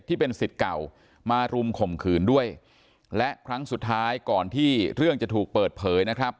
ที่เป็นสิทธิ์เก่ามารุมข่มขืนด้วยและครั้งสุดท้ายก่อนที่เรื่องจะถูกเปิดเผยนะครับ